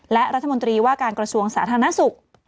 และรัฐมนตรีว่าการกระทรวงสาธารณสุข